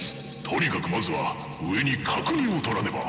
とにかくまずは上に確認をとらねば。